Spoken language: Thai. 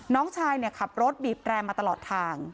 น้องชายขับรถบีบแรมมาตลอดทาง